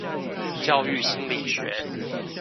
教育心理學